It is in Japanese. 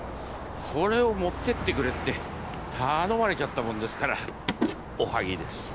これを持ってってくれって頼まれちゃったもんですからおはぎです